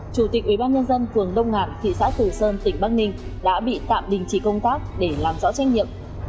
chủ tịch ubnd phường đông ngàn thị xã tử sơn tỉnh bắc ninh đã bị tạm đình chỉ công tác để làm rõ trách nhiệm